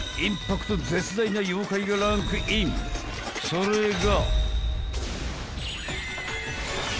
［それが］